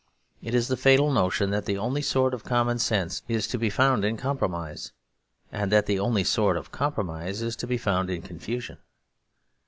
It is the fatal notion that the only sort of commonsense is to be found in compromise, and that the only sort of compromise is to be found in confusion.